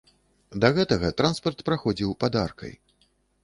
Да гэтага транспарт праходзіў пад аркай.